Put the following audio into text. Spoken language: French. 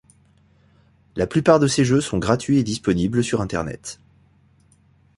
La plupart de ces jeux sont gratuits et disponibles sur Internet.